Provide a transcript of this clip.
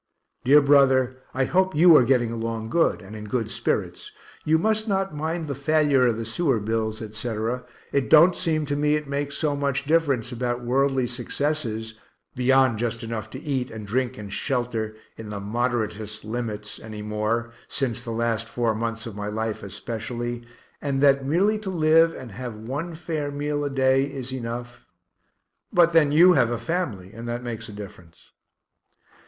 Dear brother, I hope you are getting along good, and in good spirits; you must not mind the failure of the sewer bills, etc. It don't seem to me it makes so much difference about worldly successes (beyond just enough to eat and drink and shelter, in the moderatest limits) any more, since the last four months of my life especially, and that merely to live, and have one fair meal a day, is enough but then you have a family, and that makes a difference.